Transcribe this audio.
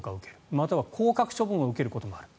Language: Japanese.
または降格処分を受けることもある。